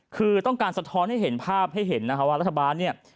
คือต้องการสะท้อนให้เห็นภาพให้เห็นนะคะว่ารัฐบาลเนี่ย